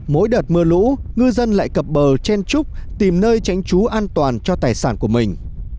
mỗi đợt mưa lũ ngư dân lại cập bờ chen trúc tìm nơi tránh trú an toàn cho tài sản của mình